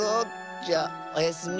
じゃおやすみ。